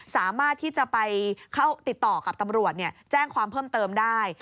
สามารถที่จะไปเข้าติดต่อกับตำรวจแจ้งความเพิ่มเติมได้